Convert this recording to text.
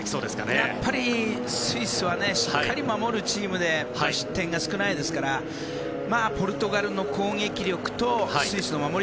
やっぱりスイスはしっかり守るチームで失点が少ないですからポルトガルの攻撃力とスイスの守り。